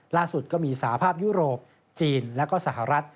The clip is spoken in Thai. ล่าสุดก็มีสาภาพยุโรปจีนและก็สหรัฐ